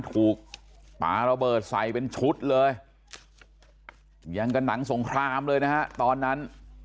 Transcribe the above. ถูกปลาระเบิดใส่เป็นชุดเลยยังกับหนังสงครามเลยนะฮะตอนนั้น